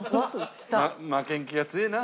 負けん気が強えな。